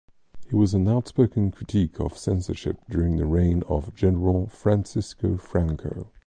He was an outspoken critic of censorship during the reign of General Francisco Franco.